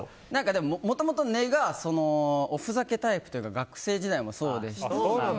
でも、もともと根がおふざけタイプというか学生時代もそうでしたね。